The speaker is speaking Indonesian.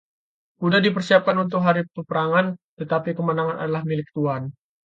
Kuda dipersiapkan untuk hari peperangan, tetapi kemenangan adalah milik Tuhan.